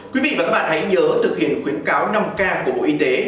quý vị và các bạn hãy nhớ thực hiện khuyến cáo năm k của bộ y tế